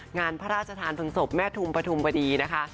งานพระราชทานเพลิงศพแม่ทุมปฐุมบดีนะคะ